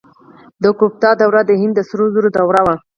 د ګوپتا دوره د هند د سرو زرو دوره وه.